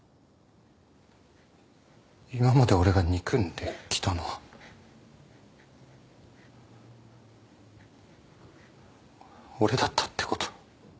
今まで俺が憎んできたのは俺だったって事？